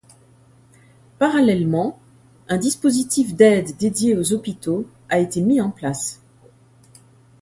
Parallèlement, un dispositif d'aide dédié aux hôpitaux a été mis en place.